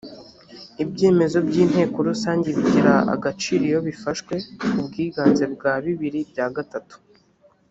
ibyemezo by’inteko rusange bigira agaciro iyo bifashwe ku bwiganze bwa bibiri bya gatatu